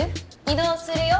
移動するよ？